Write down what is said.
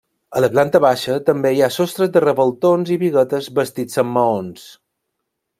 A la planta baixa també hi ha sostres de revoltons i biguetes bastits amb maons.